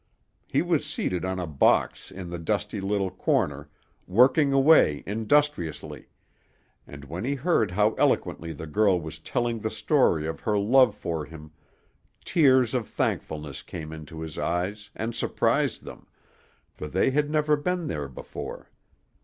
He was seated on a box in the dusty little corner, working away industriously; and when he heard how eloquently the girl was telling the story of her love for him, tears of thankfulness came into his eyes and surprised them, for they had never been there before.